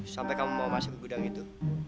sampai kamu mau masuk ke gudang itu